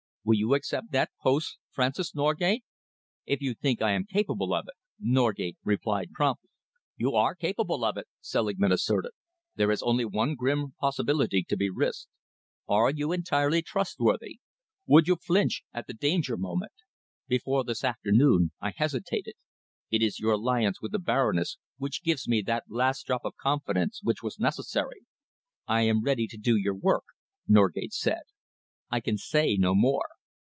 Will you accept that post, Francis Norgate?" "If you think I am capable of it," Norgate replied promptly. "You are capable of it," Selingman asserted. "There is only one grim possibility to be risked. Are you entirely trustworthy? Would you flinch at the danger moment? Before this afternoon I hesitated. It is your alliance with the Baroness which gives me that last drop of confidence which was necessary." "I am ready to do your work," Norgate said. "I can say no more.